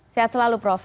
sehat selalu prof